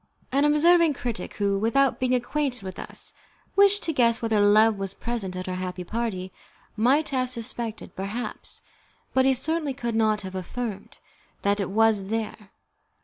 An observing critic who, without being acquainted with us, wished to guess whether love was present at our happy party, might have suspected, perhaps, but he certainly could not have affirmed, that it was there.